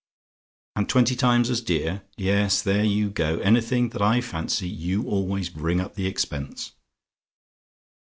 "AND TWENTY TIMES AS DEAR? "Yes; there you go! Anything that I fancy, you always bring up the expense.